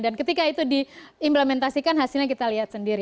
dan ketika itu diimplementasikan hasilnya kita lihat sendiri